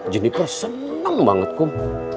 juniper seneng banget kum